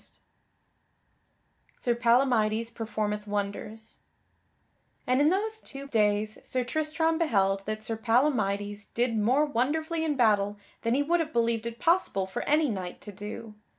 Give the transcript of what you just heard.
[Sidenote: Sir Palamydes performeth wonders] And in those two days, Sir Tristram beheld that Sir Palamydes did more wonderfully in battle than he would have believed it possible for any knight to do.